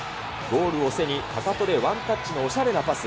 ゴールを背に、かかとでワンタッチのおしゃれなパス。